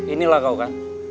inilah kau kang